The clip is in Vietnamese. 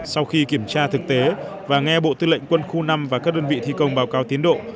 sau khi kiểm tra thực tế và nghe bộ tư lệnh quân khu năm và các đơn vị thi công báo cáo tiến độ